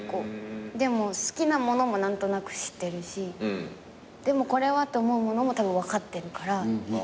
でも好きなものも何となく知ってるしでもこれはって思うものもたぶん分かってるから。